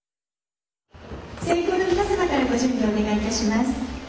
先攻の皆様からご準備をお願いいたします。